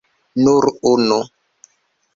Nur unu.